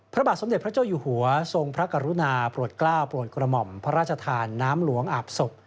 พระบาทสมเด็จพระเจ้าอยู่หัวทรงพระกรุณาโปรดกล้าวโปรดกระหม่อมพระราชทานน้ำหลวงอาบศพ